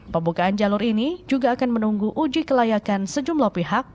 pembukaan jalur ini juga akan menunggu uji kelayakan sejumlah pihak